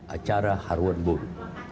acara haruan boru